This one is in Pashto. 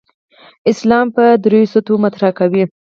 اسلام په درېو سطحو مطرح کوي.